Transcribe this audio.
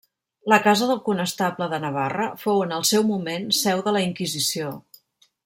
La casa del Conestable de Navarra fou en el seu moment seu de la Inquisició.